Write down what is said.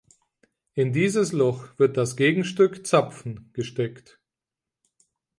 In dieses Loch wird das Gegenstück "Zapfen" gesteckt.